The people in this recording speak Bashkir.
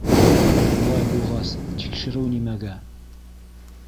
Улай булғас, тикшереү нимәгә?